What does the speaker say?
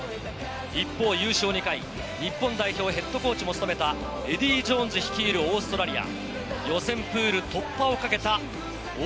一方、優勝２回、日本代表ヘッドコーチも務めたエディー・ジョーンズ率いるオーストラリア。